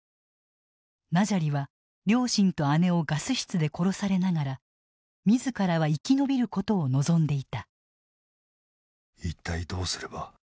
ナジャリは両親と姉をガス室で殺されながら自らは生き延びることを望んでいた。